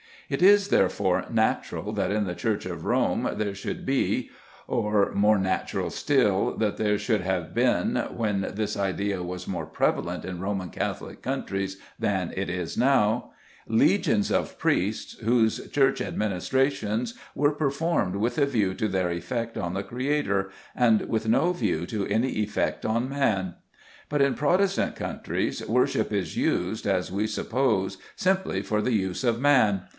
It is, therefore, natural that in the Church of Rome there should be, or, more natural still, that there should have been when this idea was more prevalent in Roman Catholic countries than it is now, legions of priests whose church administrations were performed with a view to their effect on the Creator, and with no view to any effect on man. But in Protestant countries worship is used, as we suppose, simply for the use of man.